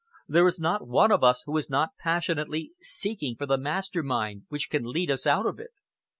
There is not one of us who is not passionately seeking for the master mind which can lead us out of it."